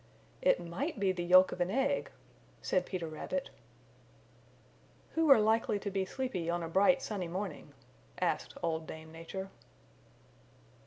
"It MIGHT be the yolk of an egg," said Peter Rabbit. "Who are likely to be sleepy on a bright sunny morning?" asked Old Dame Nature.